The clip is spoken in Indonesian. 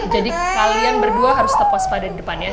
jadi kalian berdua harus tepuk sepadan di depan ya